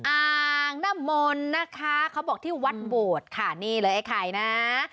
อ่างน้ำมนต์นะคะเขาบอกที่วัดโบสถ์ค่ะนี่เลยไอ้ไข่นะ